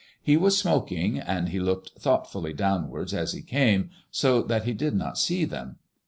He was smoking, and he looked thoughtfully downwards as he came, so that he did not see them.